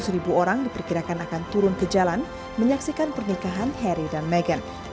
seratus ribu orang diperkirakan akan turun ke jalan menyaksikan pernikahan harry dan meghan